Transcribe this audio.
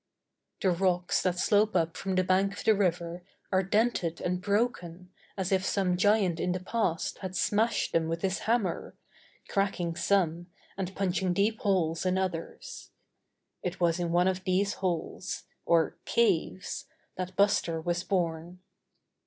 The rocks that slope up from the bank of the river are dented and broken as if some giant in the past had smashed them with his hammer, cracking some and punching deep holes in others. It was in one of these holes, or caves, that Buster was born.